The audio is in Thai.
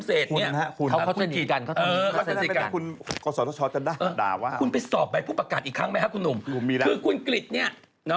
เอังจี้ศรีภูมิเศรษฐ์เนี่ย